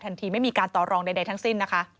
ไม่มีการต่อรองใดทั้งสิ้นนะคะ